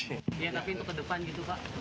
iya tapi untuk ke depan gitu pak